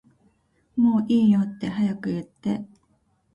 もういいよって早く言って